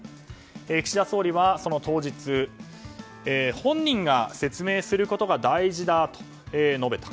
その当日、本人が説明することが大事だと述べた。